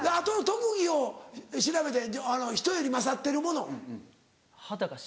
特技を調べて人より勝ってるもの。